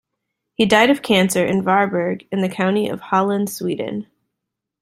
He died of cancer in Varberg in the county of Halland, Sweden.